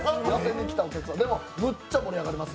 でも、むっちゃ盛り上がります。